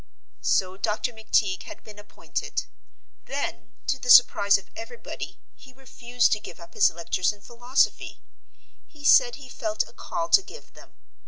'" So Dr. McTeague had been appointed. Then, to the surprise of everybody he refused to give up his lectures in philosophy. He said he felt a call to give them.